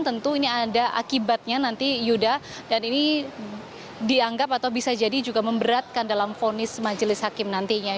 tentu ini ada akibatnya nanti yuda dan ini dianggap atau bisa jadi juga memberatkan dalam fonis majelis hakim nantinya